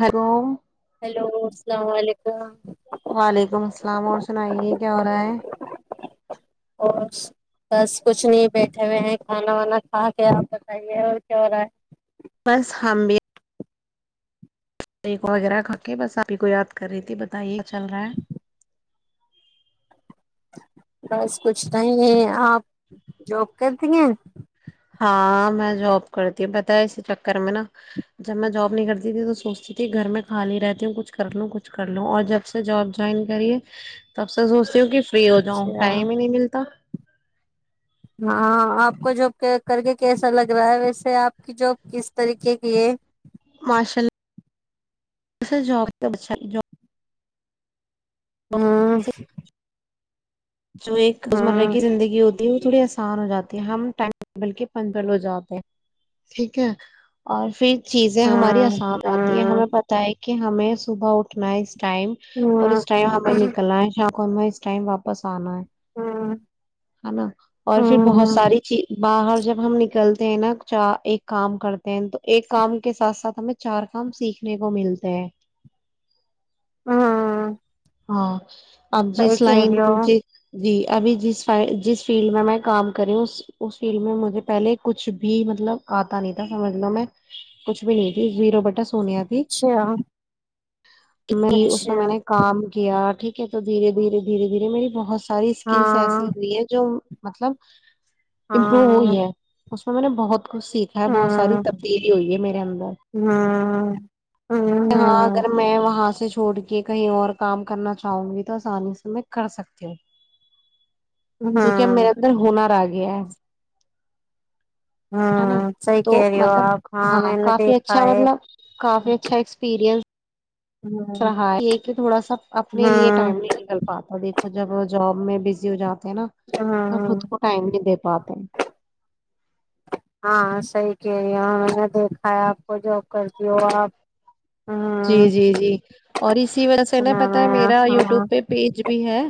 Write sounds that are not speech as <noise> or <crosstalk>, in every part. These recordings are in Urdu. ہلو السلام علیکم وعلیکم السلام اور سنائیے کیا ہو رہا ہے اور بس کچھ نہیں بیٹھے ہوئے ہیں کھانا وانا کھا کے آپ بتائیے اور کیا ہو رہا ہے بس ہم بھی تقوں وغیرہ کھکے بس آپ ہی کو یاد کر رہی تھی بتائیے چل رہا ہے بس کچھ نہیں ہے آپ جوک کرتی ہیں ہاں میں جاب کرتی ہوں پتا ہے اسی چکر میں نا جب میں جاب نہیں کرتی تھی تو سوچتی تھی گھر میں خالی رہتی ہوں کچھ کر لوں کچھ کر لوں اور جب سے جاب جوائن کریے تب سے سوچ کیوںکہ فری ہو جاؤں اچھا ٹائم ہی نہیں ملتا ہاں آپ کو جاب کر کے کیسا لگ رہا ہے ویسے آپ کی جاب کس طریقے کی ہے مشاء ہاں جو ایک روزمرہ کی زندگی ہوتی ہے تھوڑی آسان ہو جاتی ہے ہم ٹائم ٹیبل کے پن پ ل ہو جاتے ہیں ٹھیک ہے اور پھر چیزیں ہماری ہوں آسان آتی ہیں ہمیں پت ہے کہ کہ ہمیں صبح اٹھنا ہے اس ٹائم اور ہوں اس ٹائم ہمیں نکلنا ہے شام کونوا اس ائم واپس سالے ہوں ہوں ہے نا اور پھر بہت ہوں ساری چیز باہر جب ہم نکلتے ہیں نا چ ایک کام کرتے ہیں تو ایک کام کے ساتھ ساتھ ہمیں چار کام سیکھنے کو ملتے ہیں ہوں ہاں اپ جی صحیح کہہ رہی سلائنی ہو جی ابھی ج جس فیلڈ میں میں کام کری ہوں اس فیلڈ میں مجھے پہلے کچھ بھی مطلب آتا نہیں تھا سمجھ لو میں کچھ بھی نہیں تھی زیرو بٹس سونیا بھی اچھا تو میں اس میں میں اچھا نے کام ٹھیک ہے تو دھیرے دھیرےھیر دھیرے میری بہت ساری اسکلس ایسی ہاں ہوئی ہے جو مطلب امپروو ہاں ہوئی ہے اس میں نے بہت س کچھ سیکھا ہے بہت ساری ہاں تبدیلی ہوئی ہے میرے اندر ہاں ہاں اگر میں وہاں سے سے چھوڑ کے کہیں اور کام کرنا چاہوں گی تو آسانی سے میں کر سکتی ہوں کیونکہ اب میرے ہاں اندر ہنر آ گیا گ ہوں صحی کہہ رہی ہو آپ ہاں میں نے دیکھا ہے سیریل ہاں رہا یہ کہ تھوڑا سا اپنے لیے ہاں ٹائم نہیں نکل پاتا دیکھو کچھ اگر جب میں بزی ہوجا نا تو ہاں خود کو ٹائم نہیں دے پاتے کہ یہاں میں نے دیکھا ہے آپ کو جاب کرتی ہو آپ جی ہاں جی جی اور اسی وجہ سے نا نام پتا ہے میرا یوٹیوب ہاں پہ پیج بھی ہے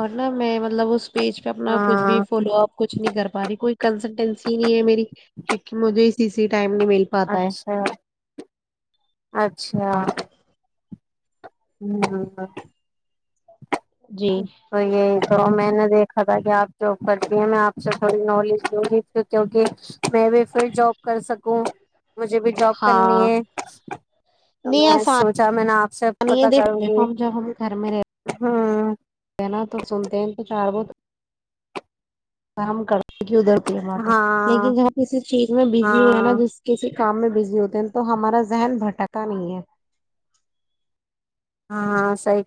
اور نہا میں مطلب اس پیج پہ اپنا کچھ بھی ہاں فالو اپ کچھ نہیں کر پا رہی کوئی کنسلٹینسی نہیں ہے میری کیک مجھے سیسیی ٹائم نہیں مل پاتا ہے اچھا اچھا ہوں ہ ہ جی تو یہ تو محنت دیکھا تھا کہ آپ جاب کرتی ہیں میں آپ سے تھوڑی نالج دوں گی کیوںکہ میں بھی پھر جاب کر سکوں مجھے بھی جاب کرنی ہاں ہے تو میں سوچا میں نے آپ سے پے دیکھے ہم جب ہم گھر میں رہ ہاں کہنا تو سنتے ہیں تو چار وہ کام کر کی ادھرتی بات ہاں لیکن جہاں کسی چیز میں بزی ہو ہے نا ہاں جس کسی کام میں بزی ہوتی دن تو ہمارا ذہن بھٹکا نہیں ہے ہاں ہاں سی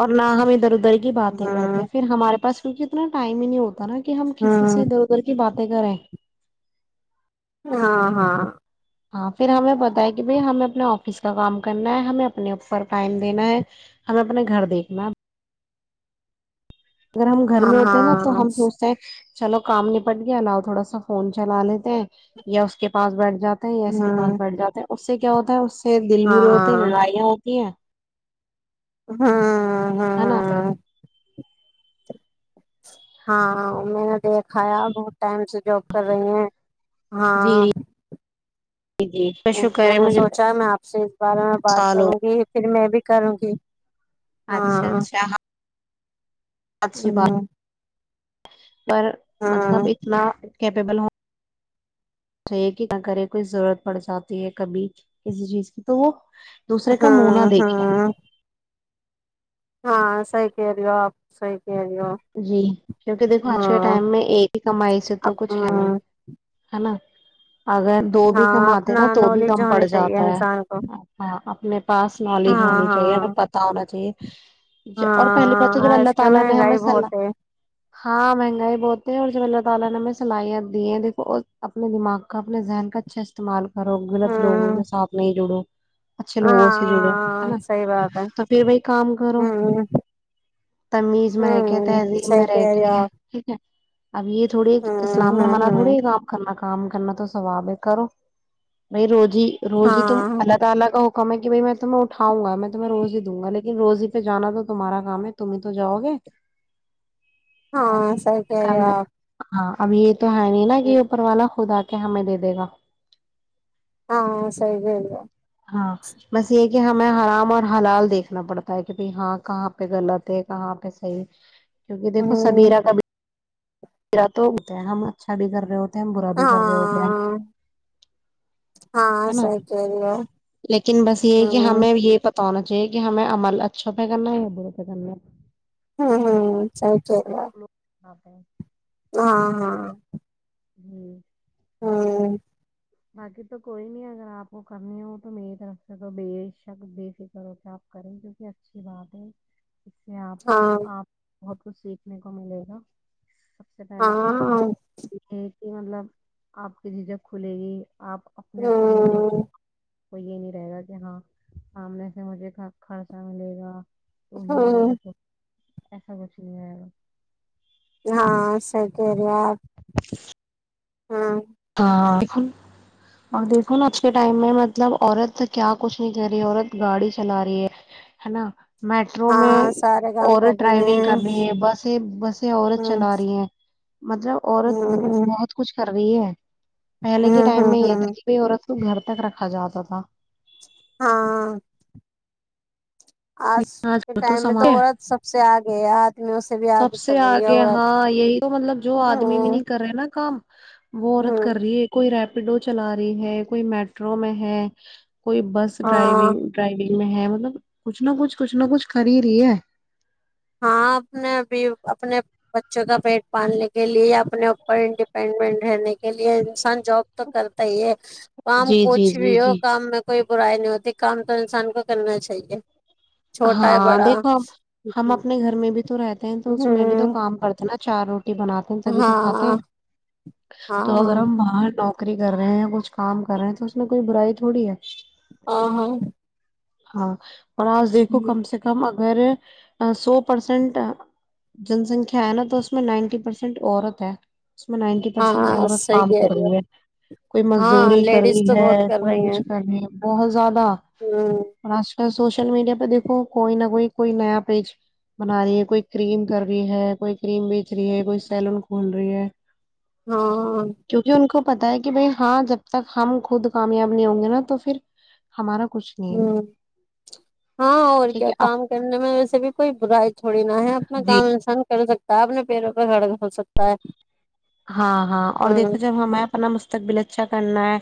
اور نہ ہم ا دھر ادھر کی بات ہی ہوں کرتے پھر ہمارے پاس کیک اتنا ٹائم ہی نہیں ہوتا نا کہ ہم کسی ہوں سے ادھر ادھر کی بات کر رہیں ہاں ہاں ہاں پھر ہمیں پت ہے کہ بھائی ہمیں اپنے آفس کا کام کرنا ہے ہمیں اپنے اوپر ٹائم دینا ہے ہمیں اپنے گھر دیکھنا ہے اگر ہم گھر میں ہوتے ہیں نا ہاں تو ہاں ہم سوچتے ہیں چلو کام نپٹ گیا لؤ تھوڑا سا فون چلا لیتے ہیں یا اس کے پاس بیٹھ جاتا اسس پس ہوں بیٹھ جاتے اس سے کیا ہوتا ہے پھر دل ہاں برے ہوتے ہیں لڑائیاں ہو دیا <unintelligible> ہاں <unintelligible> ہ ہاں ہے نا ہاں <unintelligible> ہاں میں نے دیکھایا بہت ٹائم سے جاب کر رہی ہیں ہاں جی جی جی شکر میں ہے نے مجھے سوچا میں آپ <unintelligible> شیھ <unintelligible> بارے میں بات سال ہو کروں گی پھر میں بھی <unintelligible> کرو گ <unintelligible> اچھا اچھا ہ <unintelligible> ہوں <unintelligible> اچ <unintelligible> پر ہاں مطلب اتنا کیپیبل ہو <unintelligible> چے کہ نہ کرے کوئی ضرورت پڑ جاتی ہے کبھی کسی چیز کی تو وہ دوسرے کا مونا ہاں دیکھے ہاں ہاں سح کہ ر آپ س جی کیونکہ دیکھو آج کے ہاں ٹائم میں ایک ہی کمائی سے تو کچھ ہے نہیں ہاں ہے نا اپنا نالج ہونی چاہیے انسان کو ہاں ہاں ہاں آج کل مہنگائی بہت ہے <unintelligible> ہاں مگ <unintelligible> <unintelligible> کرو گغلط لوگوں ہوں کا سات نہیں جڑو اچھے لوگوں سے جڑو ہے ہاں نا صحیح بات ہے تو پھر بائی کام کرو ہوں تمیز میں رہ کے ہوں تذی صحیح میں رہے کہہ گئی ہو ہیں آپ ٹھیک ہے <unintelligible> اب یہ تھوڑی اسلام ہوں میں ہوں ہمانا تھوڑی ہوں کام کرنا کام کرنا تو سواب ہے کرو بائی روز <unintelligible> ہاں م میں کہ بھائی میں تمہیں اٹھاؤںا میں تمہیں رز ہی دوں گا لیکن روزی پہ جانا تو تمہارا کام ہے تمہ ہی تواؤ گے <unintelligible> ہاں سر کہری آپ ابھی <unintelligible> تو ہے نہیں نہا کہ اوپر والا خودا <unintelligible> کہ ہمیں دے دے گا <unintelligible> ہاں سی بھیل ہاں بس یہ کہ ہمیں آرام اور حلال دیکھنا پڑتا ہے کہ بائی ہاں کہاں پہ غلط ہے کہاں پہ صحیح کیونکہ دیکھو ہوں سبیرا کب میرا تو ہوتا ہے ہم اچھا بھی کر رہے ہوتے برا بھی ہاں کر رہے ہوتے ہیں ہاں نا صحیح کہہ رہی ہو لیکن بس یہ کہ ہوں ہمیں یہ پتا تو ہونا چاہیے کہ ہمیں عمل اچھوں پہ کرنا ہے یا بروں پہ کرنا ہے ہاں ہاں سچلہا آاںپ ہاں ہاں ہوں ہاں باقی تو کوئی نہیں اگر آپ کو کرنی ہو تو میری طرف سے تو بے شک بے فکر ہو سے آپ کریں کیونکہ اچھی بات ہے ج سے آپ ہاں آپ بہت کچھ سیکھنے کو ملے گا سب سے پہلے تو ہاں یہ ہے کہ مطلب آپ کی جھجک کھلے گی آپ اپنے اوپر نربھر ہوں کو یہ نہیں رہے گا کہ ہاں سامنے سے مجھے خرچہ ملے گا تو نہیں میرا ہوں کو ایشا بشے ہاں سر سری ہاں ہاں دیک اور دیکھوا آج کے ٹائم میں مطلب عورت کیا کچھ نہیں کر رہی عت گاڑی چلا رہی ہے ہے نا میٹرو میں ہاں سارے کام عت کر رہی ڈرائیونگ ہیں کر رہی ہے بسیں بسیں عت ہوں چلا رہی ہیں مطلب عورت ہوں بہت کچھ کر رہی ہے پہلے کے ہوں ٹائم ہوں میں یہ ہوں تھات تو گھر تک رکھا جاتا تھا ہاں آج لیکن کے کل ٹائم میں تو سماج عورت سب سے آگے ہے ہاتھمیوں سے بھی سب آگے سے چل رہی ہے عورت ہاں یہی تو مطلب جو آدمی ہ بھی نہیں کر رہے نا کام وہ عورت کر رہی ہے کوئی ر اسپیڈو چلا رہی ہے کوئی میٹرو میں ہے کوئی بس ہاں ڈرائیگ ڈرائیگ میں ہے مطلب کچھ نہ کچھ <unintelligible> کچھ نہ کچھ کر ہی رہی ہے ہاں اپ نے اب اپنے بچوں کا پیٹ پالنے کے لیے یا اپنے اوپر انڈیپینڈنٹ رہنے کے لیے انسان جاب تو کرتا ہی ہے کام جی جی کچھ جی بھی ہو جی کام میں کوئی <unintelligible> برائی نہیں ہوتی کام تو انسان کو کرنا چاہیے چھوٹا ہے ہاں بڑا دیکھو ہم اپنے ہوں گھر میں بھی تو رہتے ہیں تو اس میں بھی تو کام کرتا چارو <inaudible> بناتے ہیں تبھی تو کھاتے ہیں ہاں ہاں تو اگر ہم بر نوکری کر رہے ہیں یا کچھ کام کر رہے ہیں تو اس میں کوئی برائی تھوڑی ہے آ ہاں ہاں اور آج د <unintelligible> کم سے کم اگر سو پرسینٹ جن سنکھیا ہے نا تو اس میں نائنٹی پرسینٹ عورت ہے اس میں نائنٹی پرسینٹ ہاں عت صحیح کام کہہ کر ہو رہی ہے کوئی ہاں مزدوری کر لیڈیز رہی تو ہے بہت کر کوئی رہی ہیں کچھ کر رہی ہے بہت زیادہ <inaudible> ہوں سوشل میڈیا پریک کو کوئی نہ کوئی کوئی نیا پیج بنا رہی ہے کوئی کریم کر رہی ہے کوئی کریم بیچ رہی ہے کوئی سیلون کھول رہی ہے ہاں کیونکہ ان کو پتا ہے کہ بھائی ہاں جب تک ہم خود کامیاب نہیں ہوں گے نا تو پھر ہمارا کچھ نہیں ہے ہوں ہاں اور ٹھیک کیا ہے آپ کام کرنے میں ویسے بھی کوئی برائی تھوڑی نہ ہے <unintelligible> جی گم <unintelligible> کر سکتا ہے اپنے پیروں پہ ہڑ ہو سکتا ہے ہاں ہاں اور دیکھو ہوں جب ہمیں اپنا مستقبل اچھا کرنا ہے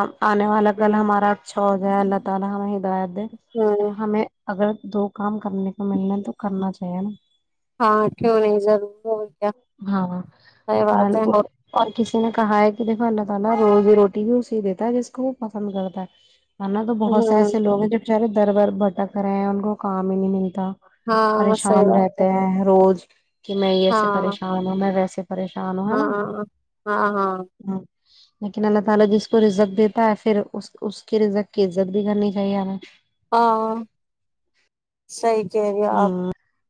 آب آنے والا گل ہمارا اچ اللہ تعالی ہمیں بعد تو ہوں ہمیں اگر دو کام کرنے کو ملنا ہے تو کرنا چاہیے نا ہاں کیوں نہیں ضرور ب ہاں اور کسی نے کہا ہے کہ دیکھوا تو نا روز روٹی بھی اسی دیتا ہے جس کو وہ پسند کرتا ہے ہےا تو بہت سے ہاں ایسےوگ ہیں جو چے در بر بھٹک رہے ہیں ان کو کام ہی نہیں ملتا ہاں صحیح پریشان بات ہے رہتے ہیں روز کہ میں یہ سب پریشان ہوں میں ویسے پریشان ہوں ہے ہاں نا ہاں ہاں ہاں لیکن اللہ تعالی جس کو رزق دیتا ہے پھر اس کے رزق کی عزت بھی کرنی چاہیے ہمیں وہ اس کا اپڈیٹ ایک ایپ میں نے سندی کے ساتھ دیکھو تم صحیح کہہ رہی ہو ہ آپ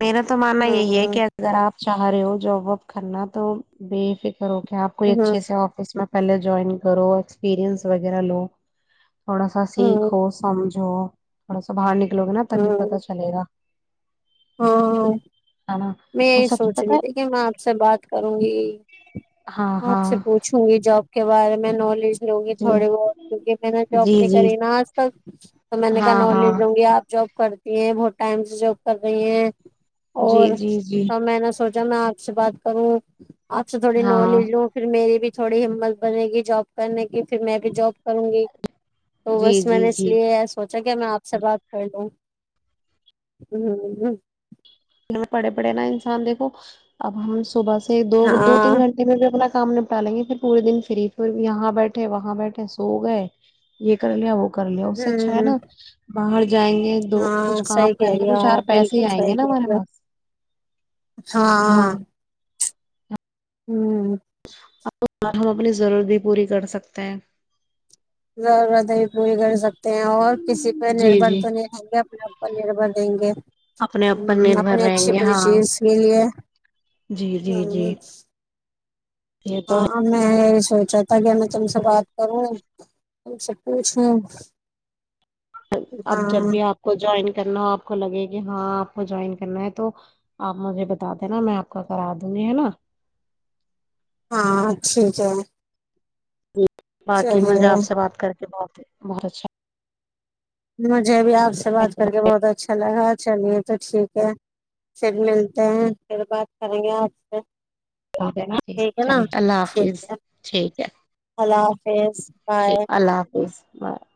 میر نےا تو ماننا ہوں یہی ہے ہوں کہذپ چاہ رہے ہو جاب واب کرنا تو بے فکر ہو کیا آپ کوئی اچھے سے آفس میں پہلے جوائن کرو اسپیرئنس وغیرہ لو تھوڑا سا ہوں سیکھو سمجھو تھوڑا باہر نکل لوگ نا تب پتا ہوں چلے گا ہاں ہے نا میں وہ یہی سب سوچ پتا رہی تھی کہ میں آپ سے بات کروں گی ہے ہاں آپ سے ہاں پوچھوں گی ج آپ کے بارے میں نالج لگی جی تھوڑی بہت کیک میں نے جاب جی نہیں جی کری نا آج تک تو میں نے کہا ہاں ہاں نالج لوں گی آپ جاب کرتی ہیں بہت ٹائم سے جاب کر رہی ہیں جی اور جی جی سب میں نہ سوچ ج میں آپ سے بات کروں آپ سے تھوڑی نو ہاں ل پھر میری بھی تھوڑی ہمت بنے گی جاب کرنے کی پھر میں بھی جاب کروں گی تو جی بس میں جی نے اس جی لیے سوچا کہ میں آپ سے بات کر لوں ہوں ہ پڑے پڑے نا انسان دیکھو اب ہم صبح سے دو دو ہاں تین گھنٹے میں بھی اپنا سامنے اٹا لیں گے پھر پورے دن فری پھر یہاں بیٹھے وہاں بیٹھے سو گئے یہ کر لیا وہ کر لیا اس سے اچھا ہے ہوں نا باہ جائیں گے دو کچھ ہاں کام صحیح کہہ کریں گے رہی تو ہو چار آپ پیسے ہی بالکل آئیں گے صحیح نا کہہ ہمارےاں رہی ہاں ہوں اب ہم اپنی ضرورت بھی پوری کر سکتے ہیں ضرورتیں بھی پوری کر سکتے ہیں اور کسی پہ جی نربھر جی تو نہیں رہیں گے اپنا پنیر بھر دیں گے اپنے اوپر ہ نربھر اپنی رہیں اچھھی گے پری ہاں چیز کے لیے جی جی جی ہوں یہ تو ہاں ہے ہم سوچا تھا کہ میں تم سے بات کروں تم سے پوچھوں اب جب ہاں بھی آپ کو جوائن کرنا آپ کو لگے کہ ہاں آپ کو جوائن کرنا ہے تو آپ مجھے بتا دینا میں آپ کا کرا دوں گی ہے نا ہاں ٹھیک ہے جی باقی چلیے مجھے آپ سے بات کر کے بہت ہی بہت اچھا مجھے بھی آپ سے بات کر کے بہت اچھا لگا چلیے تو ٹھیک پھر ملتے ہیں پھر بات کریں گے آپ سے ٹھیک ہے نا اللہ ٹھیک حافظ ہے ٹھیک ہے اللہ حافظ بائے ٹھیک اللہ حافظ میں <unintelligible>